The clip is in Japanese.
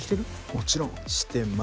「もちろんしてます」